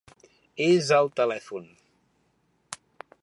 És al telèfon.